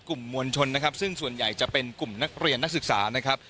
กลุ่มมวลชนนะครับซึ่งส่วนใหญ่จะเป็นกลุ่มนักเรียนนักศึกษานะครับ